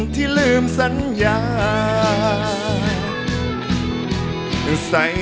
ขอบคุณมาก